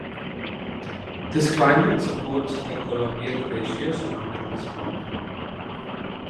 This climate supports the Columbia Glacier surrounding this mountain.